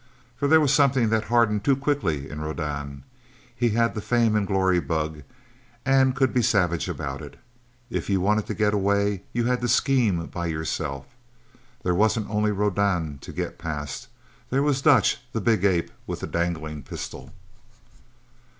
For there was something that hardened too quickly in Rodan. He had the fame and glory bug, and could be savage about it. If you wanted to get away, you had to scheme by yourself. There wasn't only Rodan to get past; there was Dutch, the big ape with the dangling pistol.